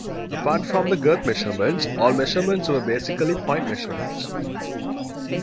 Apart from the girth measurements, all measurements were basically point measurements.